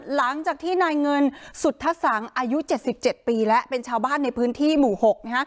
หลังจากที่นายเงินสุธสังอายุ๗๗ปีแล้วเป็นชาวบ้านในพื้นที่หมู่๖นะฮะ